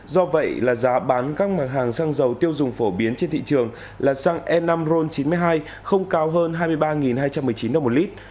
do vậy là giá bán các mặt hàng xăng dầu tiêu dùng phổ biến trên thị trường là xăng e năm ron chín mươi hai không cao hơn hai mươi ba hai trăm một mươi chín đồng một lít